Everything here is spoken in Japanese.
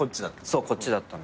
そうこっちだった。